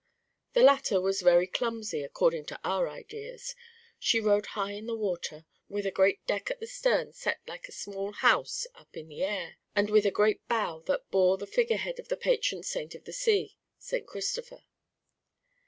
The latter was very clumsy, according to our ideas. She rode high in the water, with a great deck at the stern set like a small house up in the air, and with a great bow that bore the figurehead of the patron saint of the sea, Saint Christopher.